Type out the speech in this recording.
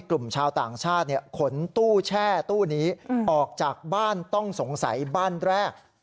กลุ่มชาวต่างชาติขนตู้แช่ตู้นี้ออกจากบ้านต้องสงสัยบ้านแรก